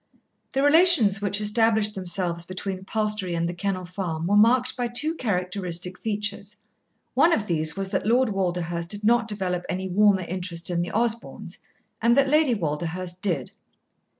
The relations which established themselves between Palstrey and The Kennel Farm were marked by two characteristic features. One of these was that Lord Walderhurst did not develop any warmer interest in the Osborns, and that Lady Walderhurst did.